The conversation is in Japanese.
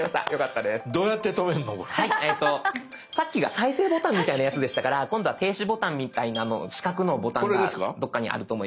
さっきが再生ボタンみたいなやつでしたから今度は停止ボタンみたいなの四角のボタンがどっかにあると思います。